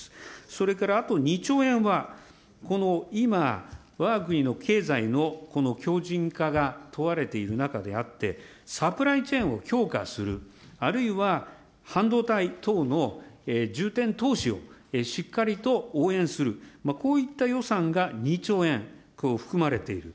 それからあと２兆円は、この今、わが国の経済のこの強じん化が問われている中であって、サプライチェーンを強化する、あるいは半導体等の重点投資をしっかりと応援する、こういった予算が２兆円含まれている。